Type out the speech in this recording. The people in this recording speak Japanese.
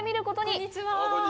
こんにちは。